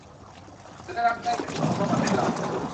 ฉันได้รับแจ้งจากทุกคนว่า มันเป็นระบบ